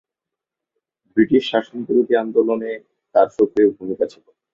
British শাসন বিরোধী আন্দোলনে তাঁর সক্রিয় ভূমিকা ছিল।